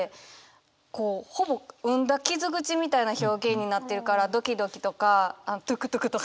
こうほぼ膿んだ傷口みたいな表現になってるからドキドキとかトゥクトゥクとかじゃなくて。